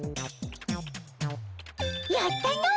やったの！